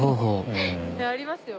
ねぇありますよ。